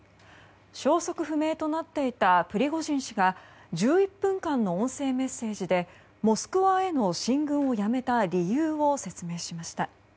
消息不明となっていたプリゴジン氏が１１分間の音声メッセージでモスクワへの進軍をやめた理由を説明しました。